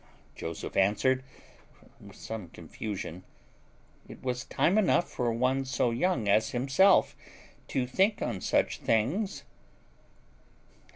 Joseph answered, with some confusion, it was time enough for one so young as himself to think on such things.